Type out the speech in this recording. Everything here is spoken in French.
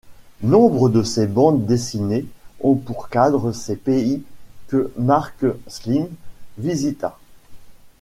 Nombre de ses bandes dessinées ont pour cadre ces pays que Marc Sleen visita.